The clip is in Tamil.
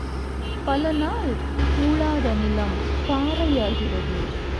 பல நாள் உழாத நிலம் பாறையாகிறது.